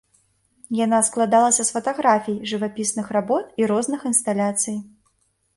Яна складалася з фатаграфій, жывапісных работ і розных інсталяцый.